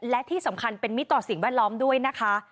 และที่สำคัญเป็นมิตรต่อสิ่งแวดล้อมด้วยนะคะ